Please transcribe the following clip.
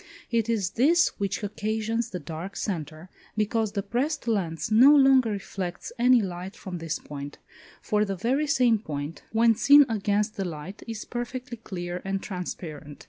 It is this which occasions the dark centre, because the pressed lens no longer reflects any light from this point, for the very same point, when seen against the light, is perfectly clear and transparent.